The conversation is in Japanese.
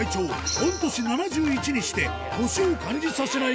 御年７１にして年を感じさせない